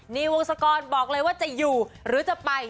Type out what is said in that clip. นิววงศกรบอกเลยว่าจะอยู่หรือจะไป